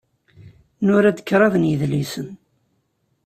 Nura-d kraḍ n yidlisen.